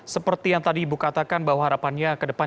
seperti yang tadi ibu katakan bahwa harapannya ke depan